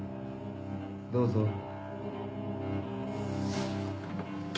どうぞ。